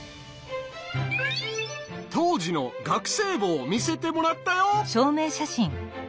当時の学生簿を見せてもらったよ。